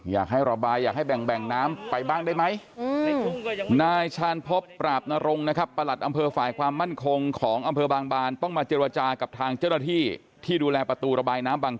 อยากให้เอาเข้าไปนึงปะหน่อยแบบในทุ่งก็ยังไม่เยอะต่อแหละก็ให้เข้าไปในทุ่งหน่อย